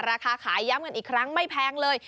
ราคาขายย้ำกันอีกครั้งไม่แพงเลย